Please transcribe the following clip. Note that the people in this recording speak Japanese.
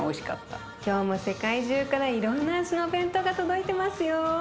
今日も世界中からいろんな味のお弁当が届いてますよ。